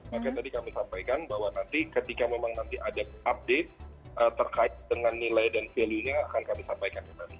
maka tadi kami sampaikan bahwa nanti ketika memang nanti ada update terkait dengan nilai dan value nya akan kami sampaikan kembali